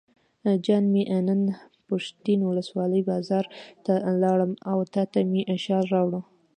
جان مې نن پښتین ولسوالۍ بازار ته لاړم او تاته مې شال راوړل.